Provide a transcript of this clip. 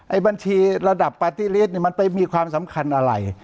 บัญชีระดับปาร์ตี้ลิสต์มันไปมีความสำคัญอะไร